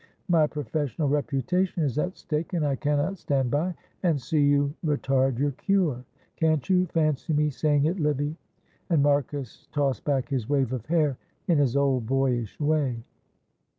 My professional reputation is at stake, and I cannot stand by and see you retard your cure.' Can't you fancy me saying it, Livy?" and Marcus tossed back his wave of hair in his old boyish way.